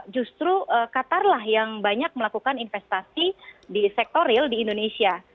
justru qatar lah yang banyak melakukan investasi di sektor real di indonesia